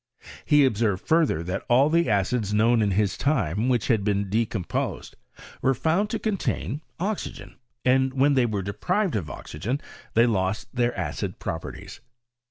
He observed further, that all the acids known b his time which had been decomposed were found to contain oxygen, and when they were deprived of oxygen, they lost their acid properties.